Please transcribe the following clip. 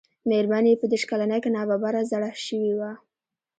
مېرمن يې په دېرش کلنۍ کې ناببره زړه شوې وه.